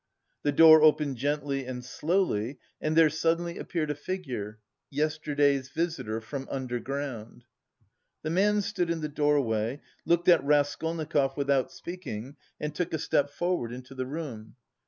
The door opened gently and slowly, and there suddenly appeared a figure yesterday's visitor from underground. The man stood in the doorway, looked at Raskolnikov without speaking, and took a step forward into the room.